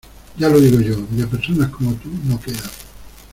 Ya lo digo yo; de personas como tú, no quedan.